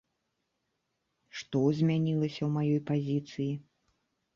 Што змянілася ў маёй пазіцыі?